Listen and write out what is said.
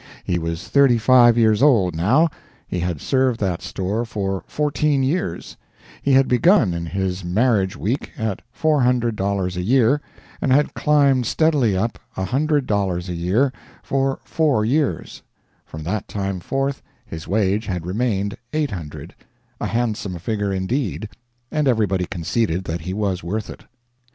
He was thirty five years old, now; he had served that store for fourteen years; he had begun in his marriage week at four hundred dollars a year, and had climbed steadily up, a hundred dollars a year, for four years; from that time forth his wage had remained eight hundred a handsome figure indeed, and everybody conceded that he was worth it.